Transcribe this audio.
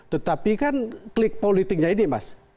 tetapi kan klik politiknya ini mas